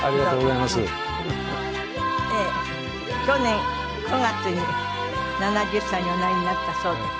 去年９月に７０歳におなりになったそうで。